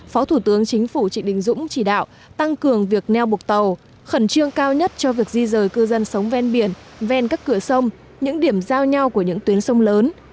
phó thủ tướng chính phủ trịnh đình dũng chỉ đạo tăng cường việc neo bục tàu khẩn trương cao nhất cho việc di rời cư dân sống ven biển ven các cửa sông những điểm giao nhau của những tuyến sông lớn